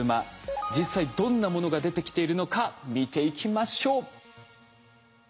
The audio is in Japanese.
実際どんなものが出てきているのか見ていきましょう。